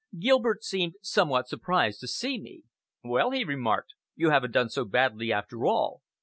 Gilbert seemed somewhat surprised to see me! "Well," he remarked, "you haven't done so badly after all.